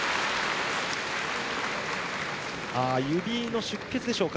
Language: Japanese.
指の出血でしょうか。